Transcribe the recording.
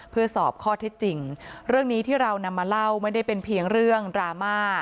เพื่อสอบข้อเท็จจริงเรื่องนี้ที่เรานำมาเล่าไม่ได้เป็นเพียงเรื่องดราม่า